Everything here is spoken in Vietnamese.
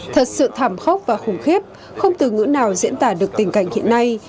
thật sự thảm khốc và khủng khiếp không từ ngữ nào diễn tả được tình cảnh hiện nay